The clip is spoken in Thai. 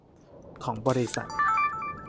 ของบริษัท